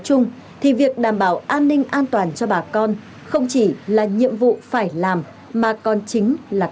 chung thì việc đảm bảo an ninh an toàn cho bà con không chỉ là nhiệm vụ phải làm mà còn chính là